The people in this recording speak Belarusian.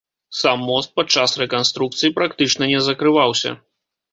Сам мост падчас рэканструкцыі практычна не закрываўся.